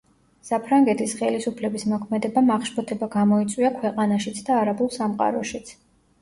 საფრანგეთის ხელისუფლების მოქმედებამ აღშფოთება გამოიწვია ქვეყანაშიც და არაბულ სამყაროშიც.